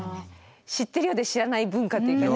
知ってるようで知らない文化っていうかね。